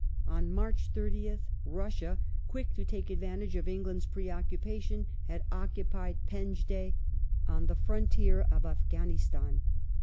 On March 30th Russia, quick to take advantage of England's preoccupation, had occupied Penjdeh on the frontier of Afghanistan.